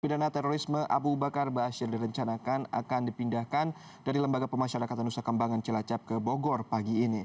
pindahan terorisme abu bakar baasyir direncanakan akan dipindahkan dari lembaga pemasyarakatan nusakambangan cilacap ke bogor pagi ini